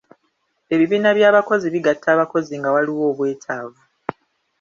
Ebibiina by'abakozi bgatta abakozi nga waliwo obwetaavu.